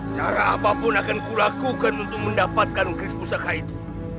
cara apapun akan kulakukan untuk mendapatkan keris pusaka itu